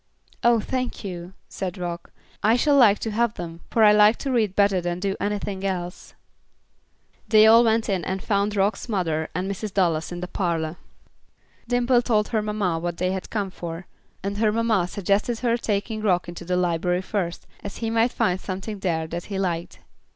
"Oh, thank you," said Rock. "I shall like to have them, for I like to read better than to do anything else." They all went in and found Rock's mother and Mrs. Dallas in the parlor. Dimple told her mamma what they had come for, and her mamma suggested her taking Rock into the library first, as he might find something there that he liked.